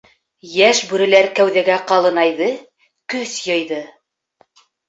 Йәш бүреләр кәүҙәгә ҡалынайҙы, көс йыйҙы.